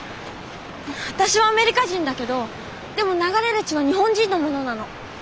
私はアメリカ人だけどでも流れる血は日本人のものなの。